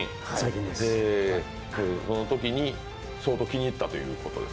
そのときに相当気に入ったということです。